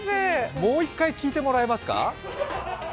もう一回聞いてもらえますか？